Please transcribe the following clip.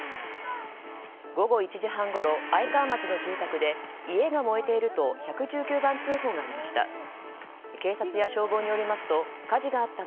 午後１時半ごろ、愛川町の住宅で家が燃えていると１１９番通報がありました。